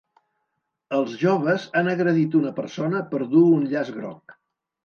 Els joves han agredit una persona per dur un llaç groc.